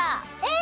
え！